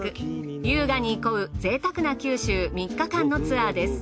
優雅に憩う贅沢な九州３日間のツアーです。